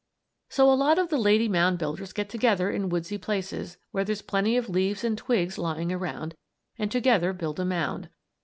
] So a lot of the lady mound builders get together in woodsy places, where there's plenty of leaves and twigs lying around and together build a mound.